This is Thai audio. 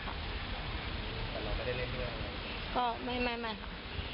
แต่เราไม่ได้เล่นด้วยหรือเปล่านะครับก็ไม่ค่ะ